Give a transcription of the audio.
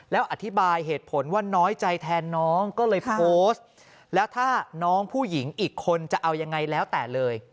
แล้วอธิบายเหตุผลว่าน้อยใจแทนน้องก็เลยโพสต์แล้วถ้าน้องผู้หญิงอีกคนจะเอายังไงแล้วแต่เลย